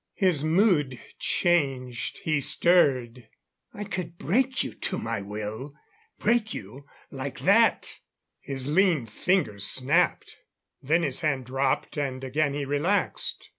His mood changed; he stirred. "I could bend you to my will break you like that!" His lean fingers snapped. Then his hand dropped, and again he relaxed.